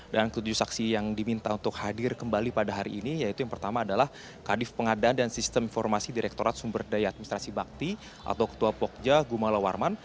dan tujuh saksi yang diminta untuk hadir kembali pada hari ini yaitu yang pertama adalah kadif pengadaan dan sistem informasi direktorat sumberdaya administrasi bakti atau ketua pogja gumala warman